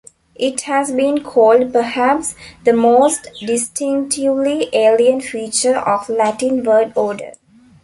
It has been called perhaps the most distinctively alien feature of Latin word order.